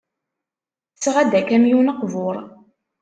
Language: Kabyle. Tesɣa-d akamyun aqbur.